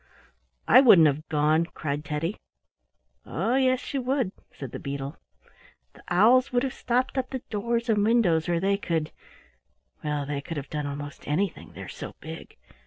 "I wouldn't have gone," cried Teddy. "Oh, yes you would," said the beetle. "The owls could have stopped up the doors and windows, or they could —well, they could have done almost anything, they're so big.